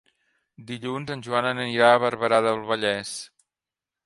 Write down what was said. Dilluns en Joan anirà a Barberà del Vallès.